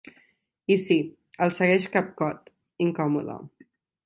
I si, els segueix capcot, incòmode.